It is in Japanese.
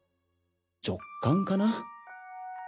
直感かな。